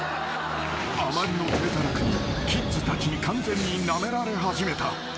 ［あまりの体たらくにキッズたちに完全になめられ始めた］